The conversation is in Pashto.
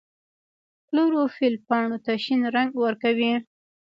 کلوروفیل پاڼو ته شین رنګ ورکوي